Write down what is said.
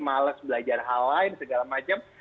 males belajar hal lain segala macam